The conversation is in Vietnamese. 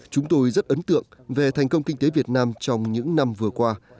chúng tôi rất ấn tượng về thành công kinh tế việt nam trong những năm vừa qua